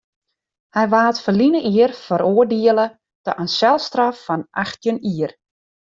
Hy waard ferline jier feroardiele ta in selstraf fan achttjin jier.